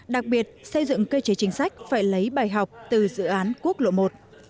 đặc biệt xây dựng cơ chế chính sách phải lấy bài học từ dự án quốc lộ một